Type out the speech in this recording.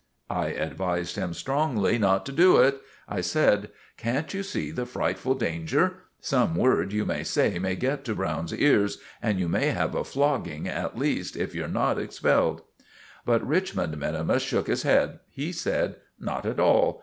I advised him strongly not to do it. I said— "Can't you see the frightful danger? Some word you may say may get to Browne's ears, and you may have a flogging at least, if you're not expelled." But Richmond minimus shook his head. He said— "Not at all.